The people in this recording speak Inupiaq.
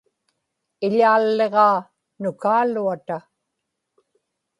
iḷaalliġaa nukaaluata